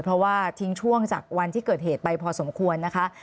เพราะว่าทิ้งช่วงจากวันที่เกิดเหตุไปพอสมควรนะคะ